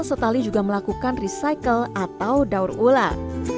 setali juga melakukan recycle atau daur ulang